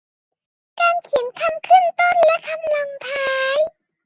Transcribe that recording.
การเขียนคำขึ้นต้นและคำลงท้าย